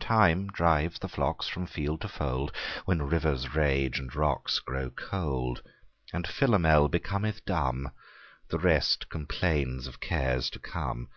Time drives the flocks from field to fold, When rivers rage and rocks grow cold; And Philomel becometh dumb; The rest complains of cares to come.